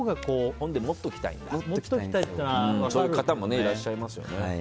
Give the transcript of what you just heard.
本で持っておきたいのもそういう方もいらっしゃいますよね。